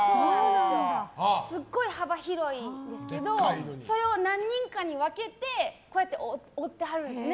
すっごい幅広いんですけどそれを何人かに分けて織ってはるんですよ。